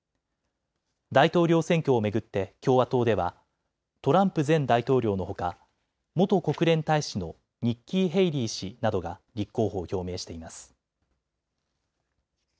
大統領選挙を巡って共和党ではトランプ前大統領のほか元国連大使のニッキー・ヘイリー氏などが立候補を表明しています。